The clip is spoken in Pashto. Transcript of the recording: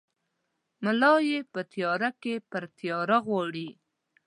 ملا ېې په تیاره کې پر تیاره غواړي!